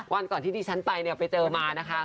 วันก่อนที่ดิฉันไปเนี่ยไปเจอมานะคะ